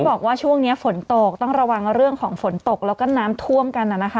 บอกว่าช่วงนี้ฝนตกต้องระวังเรื่องของฝนตกแล้วก็น้ำท่วมกันนะคะ